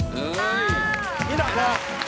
เฮ่ยนี่หน่อยแล้ว